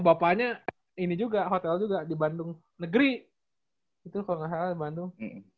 bapaknya ini juga hotel juga di bandung negeri gitu kalo gak salah di bandung